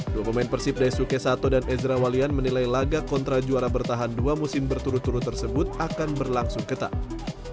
dua pemain persib daisuke sato dan ezra walian menilai laga kontra juara bertahan dua musim berturut turut tersebut akan berlangsung ketat